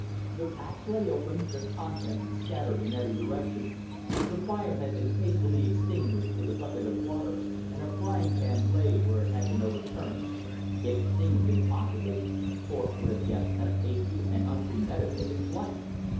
The packs lay open, their contents scattered in every direction. The fire had been hastily extinguished with a bucket of water, and a frying pan lay where it had been overturned. If the thing had been possible, Thorpe would have guessed at a hasty and unpremeditated flight.